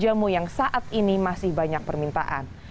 jamu yang saat ini masih banyak permintaan